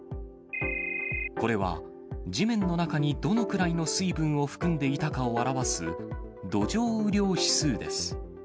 これは、地面の中にどのくらいの水分を含んでいたかを表す土壌雨量指数です。